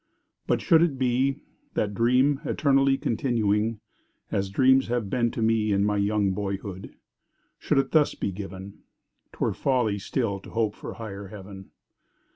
But should it be—that dream eternally Continuing—as dreams have been to me In my young boyhood—should it thus be given, 'Twere folly still to hope for higher Heaven!